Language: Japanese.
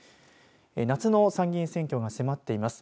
夏の参議院選挙が迫っています。